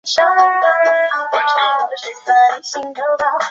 主要族群语言为闽南语和现代汉语。